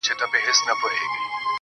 پرېږده د خوار ژوند ديوه گړي سخا واخلمه~